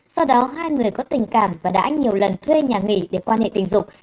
sau đó hai người có tình cảm và đã nhiều lần thuê nhà nghỉ để quan hệ tình dục